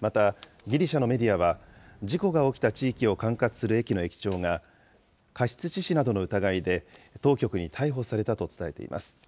また、ギリシャのメディアは、事故が起きた地域を管轄する駅の駅長が、過失致死などの疑いで当局に逮捕されたと伝えています。